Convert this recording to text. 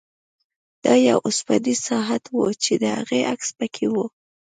دا یو اوسپنیز ساعت و چې د هغې عکس پکې و